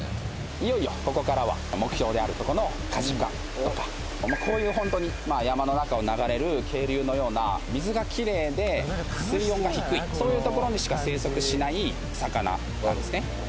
いよいよここからは目標であるとこのカジカとかこういうホントに山の中を流れる渓流のような水がきれいで水温が低いそういう所にしか生息しない魚なんですね